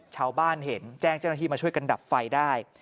ชาวบ้านเห็นแจ้งเจ้าหน้าที่มาช่วยกันดับไฟได้